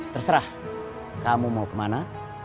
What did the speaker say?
terserah kamu mau kemana